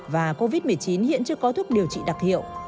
và covid một mươi chín hiện chưa có thuốc điều trị đặc hiệu